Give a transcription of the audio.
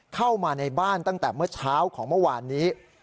เข้ามาในบ้านตั้งแต่เมื่อเช้าของเมื่อวานนี้